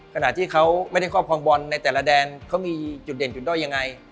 ขณะที่เขาไม่ได้ครอบครองบอลในแต่ละแดนเขามีจุดเด่นจุดด้อยยังไง